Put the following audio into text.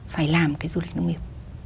phải làm cái du lịch nông nghiệp